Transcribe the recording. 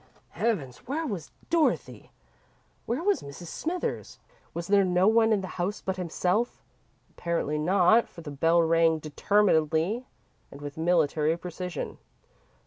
Heavens! Where was Dorothy? Where was Mrs. Smithers? Was there no one in the house but himself? Apparently not, for the bell rang determinedly, and with military precision.